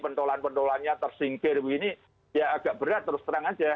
pentola pentolanya tersingkir begini ya agak berat terus terang saja